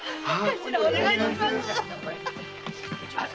お願いします！